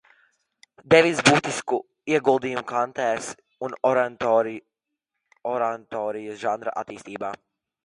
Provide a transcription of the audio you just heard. Devis būtisku ieguldījumu kantātes un oratorijas žanra attīstībā.